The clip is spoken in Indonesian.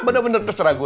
bener bener terserah gue